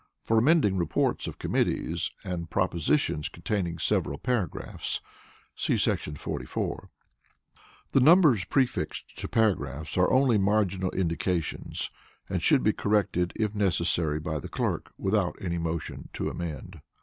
[For amending reports of committees, and propositions containing several paragraphs, see § 44.] The numbers prefixed to paragraphs are only marginal indications, and should be corrected, if necessary, by the clerk, without any motion to amend.